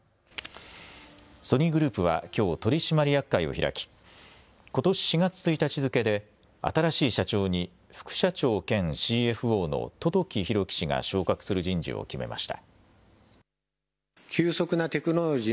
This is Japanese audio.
ソニーグループはきょう取締役会を開きことし４月１日付けで新しい社長に副社長兼ＣＦＯの十時裕樹氏が昇格する人事を決めました。